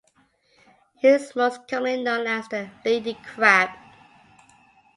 It is most commonly known as the Lady Crab.